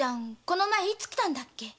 この前いつ来たっけ？